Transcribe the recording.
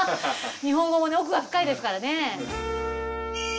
日本語も奥が深いですからね。